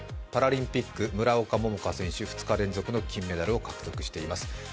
パラリンピック・村岡桃佳選手２日連続の金メダルを獲得しています。